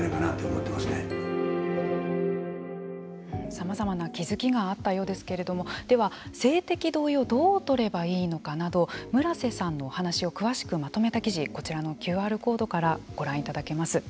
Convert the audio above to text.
さまざまな気付きがあったようですけれどもでは、性的同意をどう取ればいいのかなど村瀬さんのお話を詳しくまとめた記事こちらのＱＲコードからご覧いただけます。